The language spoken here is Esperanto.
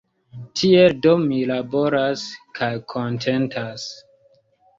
Tiel do mi laboras – kaj kontentas!